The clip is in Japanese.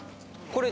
これ。